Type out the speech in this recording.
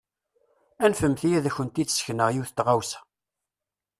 Anfemt-iyi ad kent-id-sekneɣ yiwet n tɣawsa.